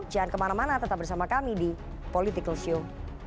jangan kemana mana tetap bersama kami di political show